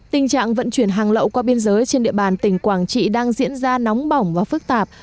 tình trạng vận chuyển hàng lậu qua biên giới trên địa bàn tỉnh quảng trị đang diễn ra nóng bỏng và phức tạp